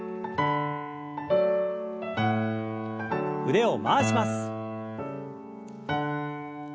腕を回します。